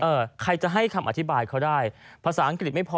ใครจะให้คำอธิบายเขาได้ภาษาอังกฤษไม่พอ